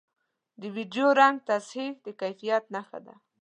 د ویډیو رنګ تصحیح د کیفیت نښه ده